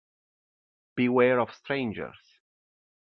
Beware of Strangers